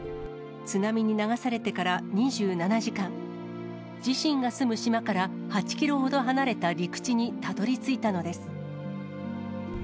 津波に流されてから２７時間、自身が住む島から８キロほど離れた陸地にたどりついたのです。